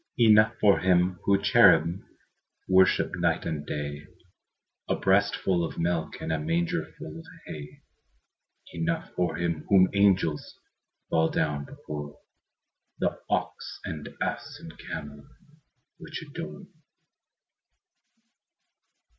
Enough for Him whom cherubim Worship night and day, A breastful of milk And a mangerful of hay; Enough for Him whom angels Fall down before, The ox and ass and camel Which adore.